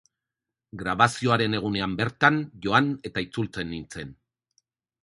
Grabazioaren egunean bertan joan eta itzultzen nintzen.